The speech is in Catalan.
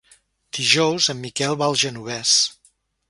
Dijous en Miquel va al Genovés.